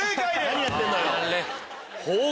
何やってんのよ！